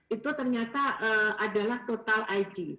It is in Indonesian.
itu ternyata adalah total ig